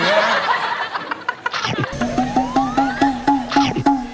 โปรดติดตามตอนต่อไป